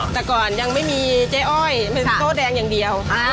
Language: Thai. แต่ก่อนยังไม่มีเจ๊อ้อยเป็นโต้แดงอย่างเดียว